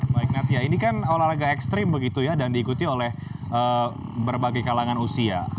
baik natia ini kan olahraga ekstrim begitu ya dan diikuti oleh berbagai kalangan usia